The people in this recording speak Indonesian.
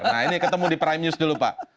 nah ini ketemu di prime news dulu pak